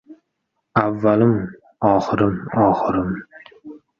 Avvalim…oxirim, oxirim.